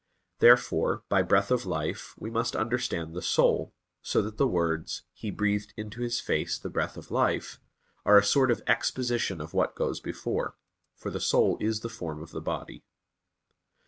Therefore, by breath of life we must understand the soul, so that the words, "He breathed into his face the breath of life," are a sort of exposition of what goes before; for the soul is the form of the body.